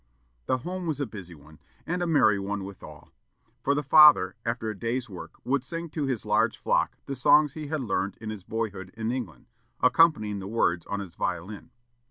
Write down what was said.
The home was a busy one, and a merry one withal; for the father, after the day's work, would sing to his large flock the songs he had learned in his boyhood in England, accompanying the words on his violin.